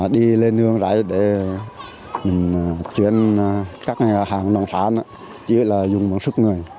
đi lên đường rãi để chuyển các hàng nông sản chỉ là dùng một sức người